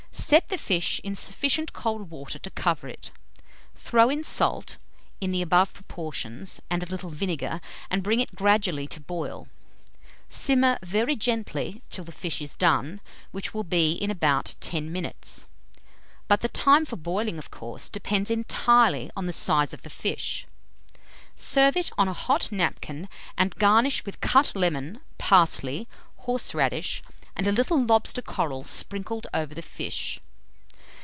Set the fish in sufficient cold water to cover it; throw in salt, in the above proportions, and a little vinegar, and bring it gradually to boil; simmer very gently till the fish is done, which will be in about 10 minutes; but the time for boiling, of course, depends entirely on the size of the fish. Serve it on a hot napkin, and garnish with cut lemon, parsley, horseradish, and a little lobster coral sprinkled over the fish.